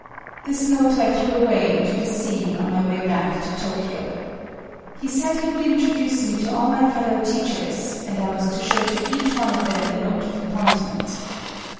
This note I threw away into the sea on my way back to Tokyo. He said he would introduce me to all my fellow teachers, and I was to show to each one of them the note of appointment.